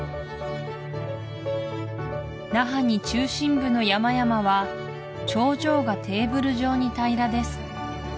ナハニ中心部の山々は頂上がテーブル状に平らです